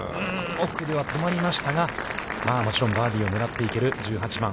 奥では止まりましたが、まあもちろんバーディーを狙っていける１８番。